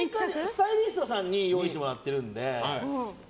スタイリストさんに用意してもらってるんで。